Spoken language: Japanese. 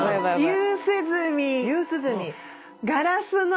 夕涼み。